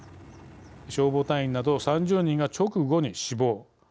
消防隊員など３０人が直後に死亡。